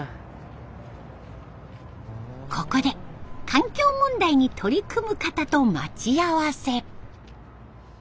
ここで環境問題に取り組む方と待ち合わせ。